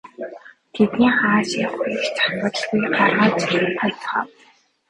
Тэдний хааш явахыг ч асуулгүй гаргаж хаяцгаав.